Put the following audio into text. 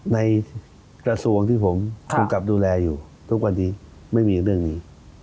ในกระทรวงที่ผมกำกับดูแลอยู่ทุกวันนี้ไม่มีเรื่องนี้